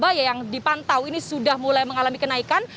surabaya yang dipantau ini sudah mulai mengalami kenaikan